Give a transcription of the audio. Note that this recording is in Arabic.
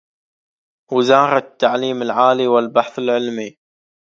وزارة التعليم العالي و البحث العلمي